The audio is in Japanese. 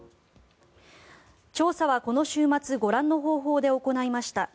調査はこの週末ご覧の方法で行いました。